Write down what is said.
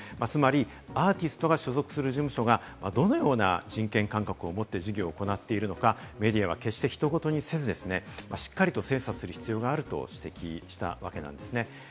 つまりアーティストが所属する事務所がどのような人権感覚を持って事業を行っているのか、メディアは決して人ごとにせずですね、しっかりと精査する必要があると指摘したわけなんですね。